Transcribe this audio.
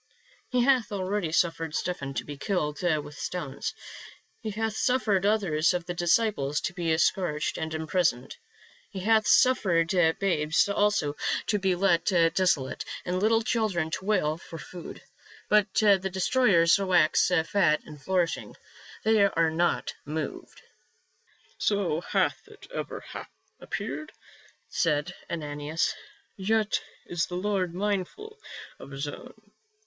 " He hath already suffered Stephen to be killed with stones. He hath suffered others of the disciples to be scourged and imprisoned. He hath suffered babes also to be left desolate, and little children to wail for food. But the destroyers wax fat and flourishing ; they are not moved." " So hath it ever appeared," said Ananias. " Yet is the Lord mindful of his own."